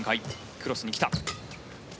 クロスに来た。